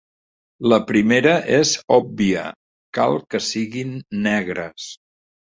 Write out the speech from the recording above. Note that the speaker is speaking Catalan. La primera és òbvia: cal que siguin negres.